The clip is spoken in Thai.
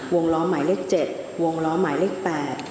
วงล้อหมายเลขเจ็ดวงล้อหมายเลขแปด